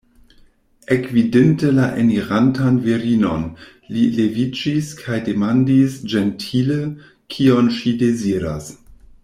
Ekvidinte la enirantan virinon, li leviĝis kaj demandis ĝentile, kion ŝi deziras.